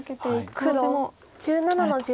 黒１７の十一。